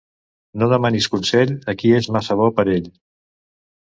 No demanis consell a qui és massa bo per ell.